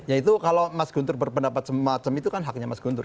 yaitu kalau mas gunter berpendapat semacam itu kan haknya mas gunter